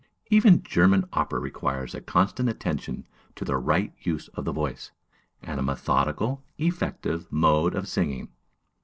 Even German opera requires a constant attention to the right use of the voice, and a methodical, effective mode of singing.